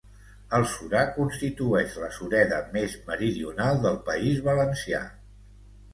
El Surar constituïx la sureda més meridional del País Valencià.